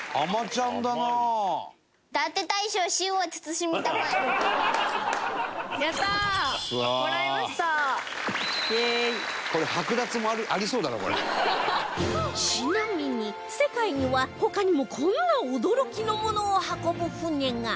ちなみに世界には他にもこんな驚きのものを運ぶ船が